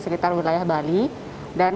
sekitar wilayah bali dan